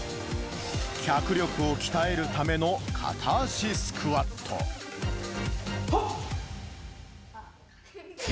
脚力を鍛えるための片足スクはっ！